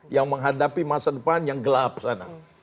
yang menghadapi masa depan yang gelap sana